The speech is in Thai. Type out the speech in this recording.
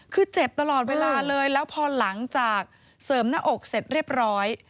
คือเจ็บตลอดเวลาเลยแล้วพอหลังจากเสริมหน้าอกเสร็จเรียบร้อย